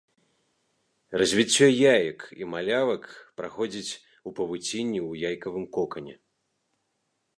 Развіццё яек і малявак праходзіць у павуцінні ў яйцавым кокане.